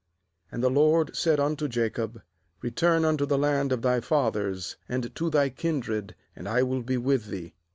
3And the LORD said unto Jacob: * Return unto the land of thy fathers, and to thy kindred; and I will be with thee.'